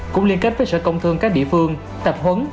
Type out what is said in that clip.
cũng liên kết với sở công thương các địa phương tập huấn